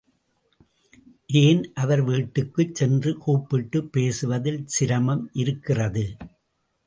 ஏன் அவர் வீட்டுக்குச் சென்று கூப்பிட்டுப் பேசுவதில் சிரமம் இருக்கிறது.